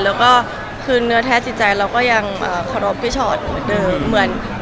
แล้วก็คือเนื้อแท้จิตใจเราก็ยังเคารพพี่ชอตเหมือนเดิม